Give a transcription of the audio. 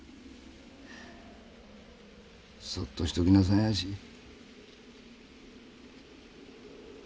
そっとしときなさいまし。